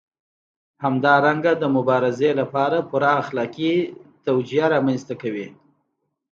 همدارنګه د مبارزې لپاره پوره اخلاقي توجیه رامنځته کوي.